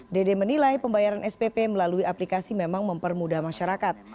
dede menilai pembayaran spp melalui aplikasi memang mempermudah masyarakat